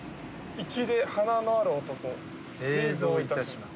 「粋で華のある男、製造いたします」